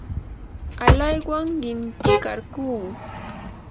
alaywan qintikarquu.